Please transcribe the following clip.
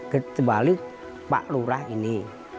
kecuali pak lurah ini